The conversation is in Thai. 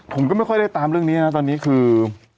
ผมก็ไม่ค่อยได้ตามเรื่องนี้นะตอนนี้คือ